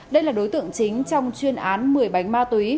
đây là đối tượng chính trong chuyên án một mươi bánh ma túy